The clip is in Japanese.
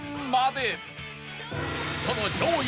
その上位